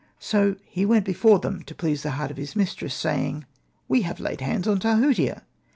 '' So he went before them to please the heart of his mistress, saying, *' We have laid hands on Tahutia."